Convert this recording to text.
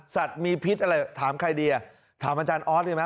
สัตว์มีพิษอะไรถามใครดีอ่ะถามอาจารย์ออสดีไหม